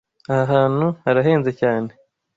Aha hantu harahenze cyane.